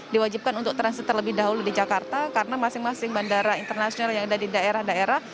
diwajibkan untuk transit terlebih dahulu di jakarta karena masing masing bandara internasional yang ada di daerah daerah